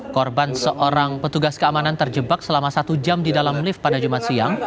korban seorang petugas keamanan terjebak selama satu jam di dalam lift pada jumat siang